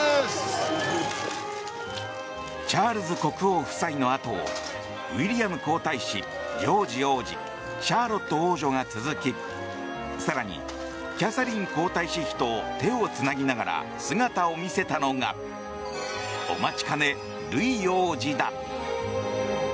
チャールズ国王夫妻のあとをウィリアム皇太子ジョージ王子シャーロット王女が続き更に、キャサリン皇太子妃と手をつなぎながら姿を見せたのがお待ちかね、ルイ王子だ。